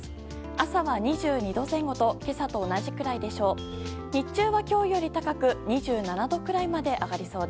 朝は２２度前後と今朝と同じくらいでしょう。